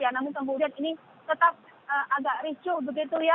namun kemudian ini tetap agak ricuh begitu ya